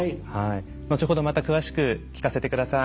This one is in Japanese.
後ほどまた詳しく聞かせてください。